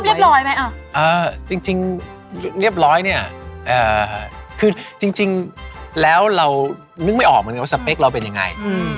ชอบเรียบร้อยไหมเออจริงเรียบร้อยเนี่ยคือจริงแล้วเรานึกไม่ออกว่าสเปคเราเป็นยังไง